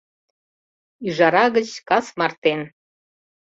Ӱжара гыч кас мартен